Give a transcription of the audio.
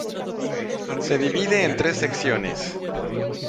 Se divide en tres secciones.